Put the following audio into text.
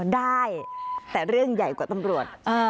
ได้แต่เรื่องใหญ่กว่าตำรวจ